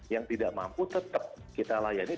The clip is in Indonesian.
yang tidak mampu tetap kita layani